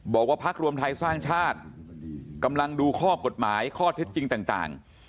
บอกว่าพักรวมไทยสร้างชาติกำลังดูข้อกฎหมายข้อเท็จจริงต่าง